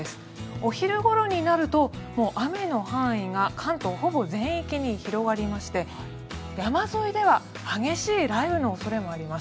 お昼ごろになるともう雨の範囲が関東ほぼ全域に広がりまして山沿いでは激しい雷雨の恐れもあります。